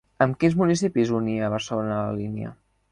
Amb quins municipis unia a Barcelona la línia?